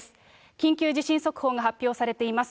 緊急地震速報が発表されています。